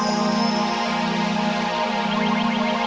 ini pemacu indonesia